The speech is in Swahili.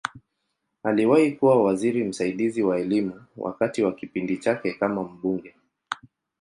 Aliwahi kuwa waziri msaidizi wa Elimu wakati wa kipindi chake kama mbunge.